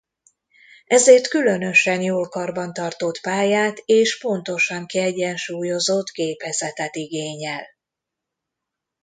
Ezért különösen jól karbantartott pályát és pontosan kiegyensúlyozott gépezetet igényel.